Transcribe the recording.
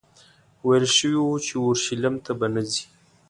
ویل شوي وو چې اورشلیم ته به نه ځې.